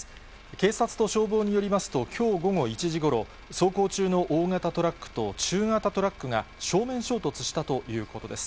警察と消防によりますと、きょう午後１時ごろ、走行中の大型トラックと中型トラックが正面衝突したということです。